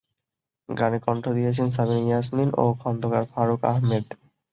গানে কণ্ঠ দিয়েছেন সাবিনা ইয়াসমিন ও খন্দকার ফারুক আহমেদ।